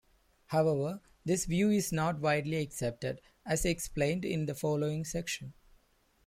However, this view is not widely accepted, as explained in the following section.